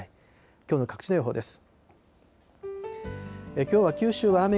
きょうの各地の予報です。